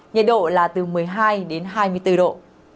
nhiệt độ là từ một mươi hai đến hai mươi bốn độ